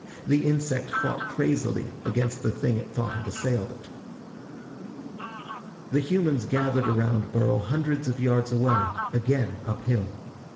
The insect fought crazily against the thing it thought had assailed it. The humans gathered around Burl hundreds of yards away again uphill.